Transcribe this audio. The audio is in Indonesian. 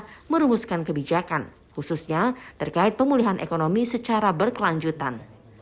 pemerintah merumuskan kebijakan khususnya terkait pemulihan ekonomi secara berkelanjutan